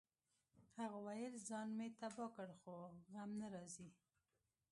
هغه ویل ځان مې تباه کړ خو غم نه راځي